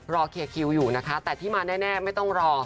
เคลียร์คิวอยู่นะคะแต่ที่มาแน่ไม่ต้องรอ